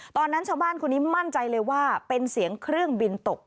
ตอนนั้นชาวบ้านคนนี้มั่นใจเลยว่าเป็นเสียงเครื่องบินตก